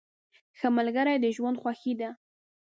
ښه ملګري د ژوند خوښي ده.